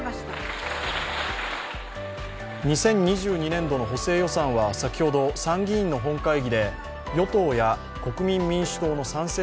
２０２２年度の補正予算は先ほど参議院の本会議で与党や国民民主党の賛成